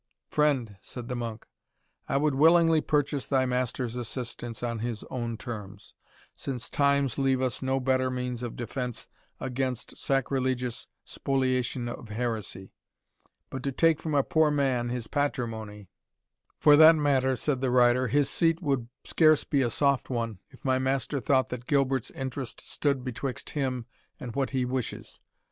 "Friend," said the monk, "I would willingly purchase thy master's assistance on his own terms, since times leave us no better means of defence against sacrilegious spoliation of heresy; but to take from a poor man his patrimony " "For that matter," said the rider, "his seat would scarce be a soft one, if my master thought that Gilbert's interest stood betwixt him and what he wishes.